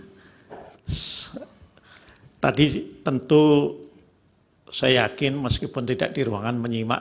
nah tadi tentu saya yakin meskipun tidak di ruangan menyimak